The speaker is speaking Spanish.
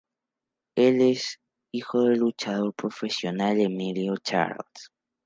Él es el hijo del luchador profesional Emilio Charles.